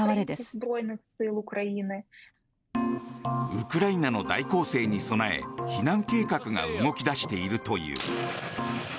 ウクライナの大攻勢に備え避難計画が動き出しているという。